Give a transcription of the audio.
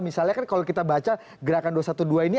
misalnya kan kalau kita baca gerakan dua ratus dua belas ini